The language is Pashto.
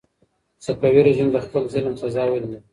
صفوي رژیم د خپل ظلم سزا ولیده.